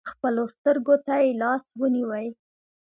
خپلو سترکو تې لاس ونیوئ .